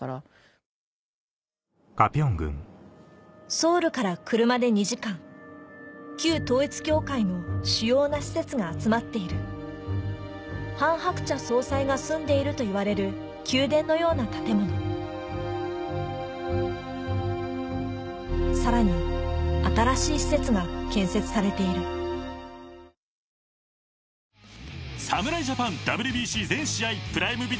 ソウルから車で２時間統一教会の主要な施設が集まっている韓鶴子総裁が住んでいるといわれる宮殿のような建物さらに新しい施設が建設されている世界各地で行われている合同結婚式